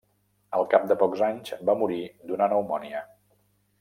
Al cap de pocs anys va morir d'una pneumònia.